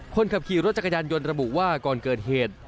คนขับขี่รถจักรยานยนต์ระบุว่าก่อนเกิดเหตุ